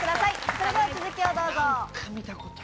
それでは続きをどうぞ。